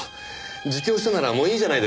自供したならもういいじゃないですか。